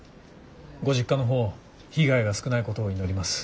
ご実家の方被害が少ないことを祈ります。